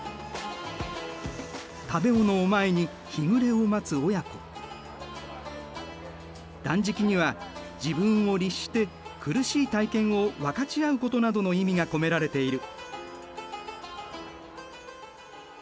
食べ物を前に断食には自分を律して苦しい体験を分かち合うことなどの意味が込められている。